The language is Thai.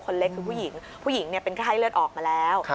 คนเล็กคือผู้หญิงผู้หญิงเนี่ยเป็นไข้เลือดออกมาแล้ว